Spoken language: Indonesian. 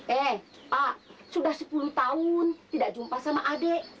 eh pak sudah sepuluh tahun tidak jumpa sama adik